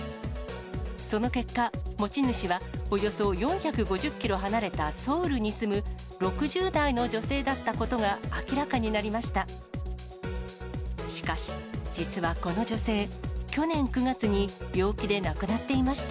その結果、持ち主はおよそ４５０キロ離れたソウルに住む６０代の女性だったことが明らかになりました。